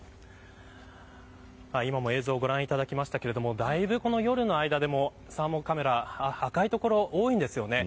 今も映像をご覧いただきましたがだいぶ夜の間でもサーモカメラ赤い所、多いんですよね。